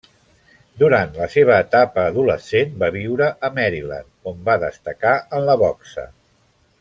Durant la seva etapa adolescent va viure a Maryland, on va destacar en la boxa.